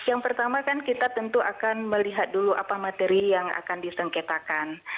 yang pertama kan kita tentu akan melihat dulu apa materi yang akan disengketakan